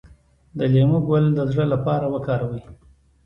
د لیمو ګل د زړه لپاره وکاروئ